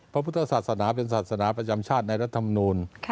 พระพุทธศาสนาเป็นศาสนาประจำชาติในรัฐมนูล